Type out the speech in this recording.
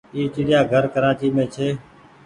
اي چڙيآ گهر ڪرآچي مين ڇي۔